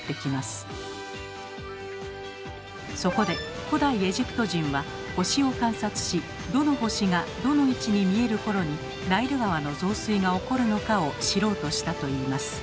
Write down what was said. そこで古代エジプト人は星を観察しどの星がどの位置に見える頃にナイル川の増水が起こるのかを知ろうとしたといいます。